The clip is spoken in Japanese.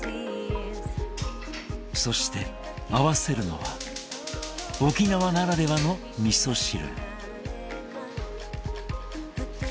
そして合わせるのは沖縄ならではのみそ汁。